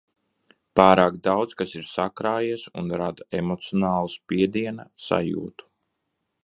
Pārāk daudz kas ir sakrājies un rada emocionālu spiediena sajūtu.